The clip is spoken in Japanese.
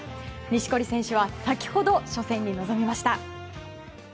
錦織選手は、先ほど初戦に臨みました。